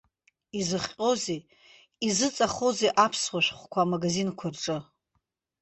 Изыхҟьозеи, изыҵахозеи аԥсуа шәҟәқәа амагазинқәа рҿы?